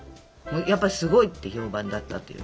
やっぱすごいって評判だったっていう。